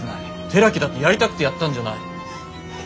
寺木だってやりたくてやったんじゃない。